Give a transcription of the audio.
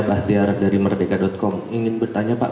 bahdi arad dari merdeka com ingin bertanya pak